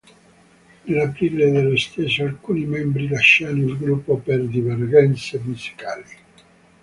Nell'aprile dello stesso alcuni membri lasciano il gruppo per divergenze musicali.